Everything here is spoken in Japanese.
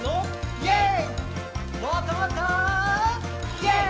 「イェーイ！」